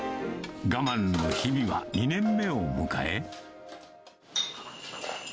我慢の日々は２年目を迎え。